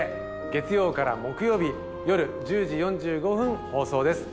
月曜から木曜、夜１０時４５分放送です。